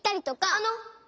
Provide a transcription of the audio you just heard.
あの！